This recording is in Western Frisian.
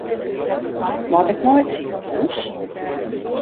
Moat ik nei it sikehûs?